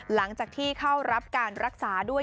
หลังจากที่เข้ารับการรักษาด้วย